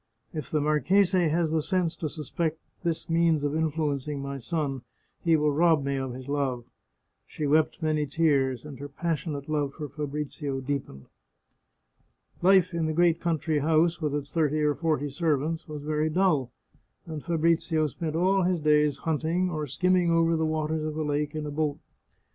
" If the marchese has the sense to suspect this means of influencing my son, he will rob me of his love !" She wept many tears, and her passionate love for Fabrizio deepened. Life in the great country house, with its thirty or forty servants, was very dull ; and Fabrizio spent all his days hunting, or skimming over the waters of the lake in a boat.